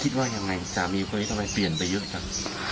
คิดว่ายังไงจะมีคนที่จะไปเปลี่ยนไปยุทธ์กัน